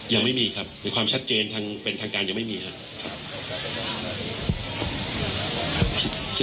ยังไม่มีครับมีความชัดเจนทางเป็นทางการยังไม่มีครับ